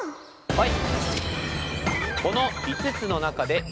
はい。